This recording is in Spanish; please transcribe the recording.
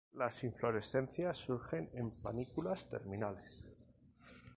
Las inflorescencias surgen en panículas terminales.